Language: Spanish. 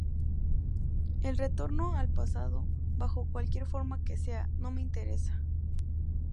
El retorno al pasado, bajo cualquier forma que sea, no me interesa.